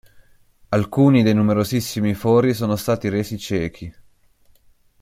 Alcuni dei numerosissimi fori sono stati resi ciechi.